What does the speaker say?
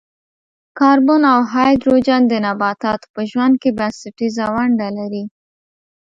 کاربن او هایدروجن د نباتاتو په ژوند کې بنسټیزه ونډه لري.